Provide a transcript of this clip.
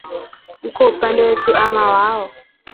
Uko upande wetu ama wao?